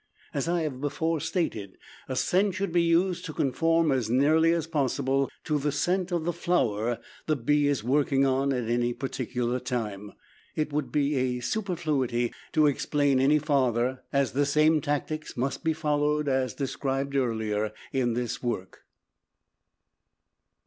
As I have before stated, a scent should be used to conform as nearly as possible to the scent of the flower the bee is working on at any particular time. It would be a superfluity to explain any farther, as the same tactics must be followed as described earlier in this work.